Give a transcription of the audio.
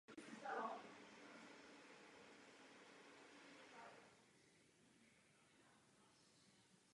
Využívá ji protestantská církev Church of Ireland a katedrála je sídlem jejího arcibiskupa.